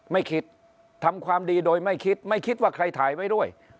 ไม่คิดทำความดีโดยไม่คิดไม่คิดว่าใครถ่ายไว้ด้วย